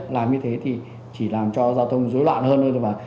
làm như thế thì chỉ làm cho giao thông rối loạn hơn hơn